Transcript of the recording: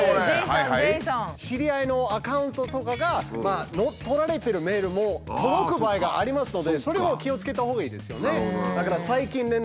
知り合いのアカウントとかが乗っ取られてるメールも届く場合がありますのでそれも気をつけたほうがいいですよね。